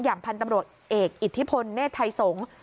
พันธุ์ตำรวจเอกอิทธิพลเนธไทยสงฆ์